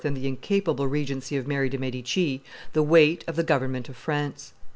and the incapable regency of Mary de' Medici, the weight of the government of France.